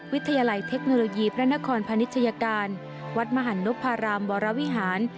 วิทยาลัยเทคโนโลยีพระนครพนิชยาการวัดมหันนพรามวรวิหาร